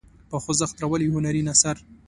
په خوځښت راولي هنري نثر.